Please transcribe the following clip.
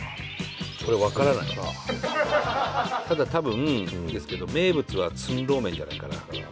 ただ多分ですけど名物は葱肉麺じゃないかな。